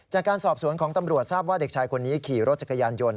จากการสอบสวนของตำรวจทราบว่าเด็กชายคนนี้ขี่รถจักรยานยนต์